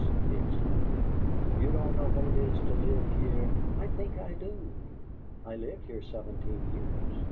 he exclaimed. "You don't know what it is to live here " "I think I do. I lived here seventeen years."